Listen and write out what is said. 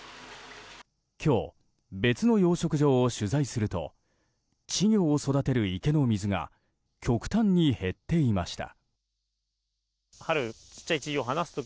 今日、別の養殖場を取材すると稚魚を育てる池の水が極端に減っていました。